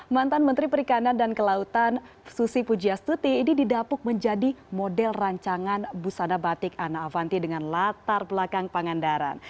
mantan menteri perikanan dan kelautan susi pujiastuti ini didapuk menjadi model rancangan busana batik ana avanti dengan latar belakang pangandaran